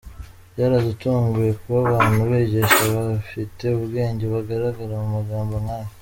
Byaradutunguye kuba abantu bigisha, bafite ubwenge bagaragara mu magambo nk’ayo.